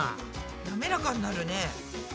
なめらかになるね。